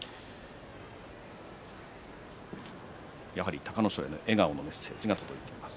やはり隆の勝の笑顔へのメッセージも届いています。